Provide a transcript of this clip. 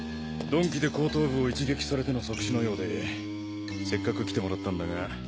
鈍器で後頭部を一撃されての即死のようでせっかく来てもらったんだが。